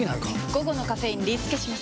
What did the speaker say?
午後のカフェインリスケします！